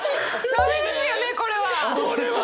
駄目ですよねこれは！